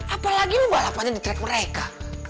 apalagi lo balapannya di track mereka